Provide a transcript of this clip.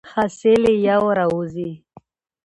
حاصل یې یو را وزي.